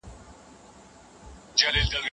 واقعي او نظري پوښتنې سره تړلې دي.